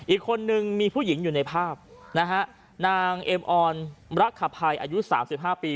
อีกคนนึงมีผู้หญิงอยู่ในภาพนะฮะนางเอ็มออนรักขภัยอายุ๓๕ปี